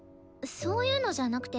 そういうのじゃなくて。